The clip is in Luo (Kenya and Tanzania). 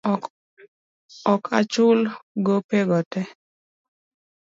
Ok achul gopego te.